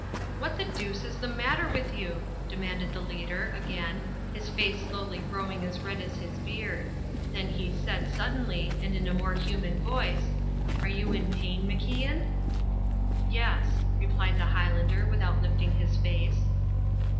"What the deuce is the matter with you?" demanded the leader, again, his face slowly growing as red as his beard; then he said, suddenly, and in a more human voice, "Are you in pain, MacIan?" "Yes," replied the Highlander, without lifting his face.